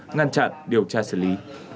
ngăn chặn điều tra xử lý